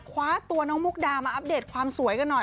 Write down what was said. คว้าตัวน้องมุกดามาอัปเดตความสวยกันหน่อย